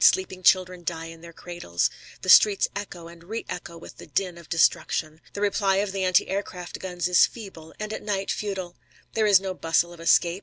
Sleeping children die in their cradles. The streets echo and reëcho with the din of destruction. The reply of the anti aircraft guns is feeble, and at night futile. There is no bustle of escape.